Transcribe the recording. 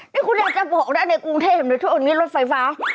นี่คุณอยากจะบอกนะในกรุงเทพฯในช่วงนี้รถไฟฟ้า